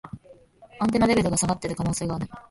アンテナレベルが下がってる可能性がある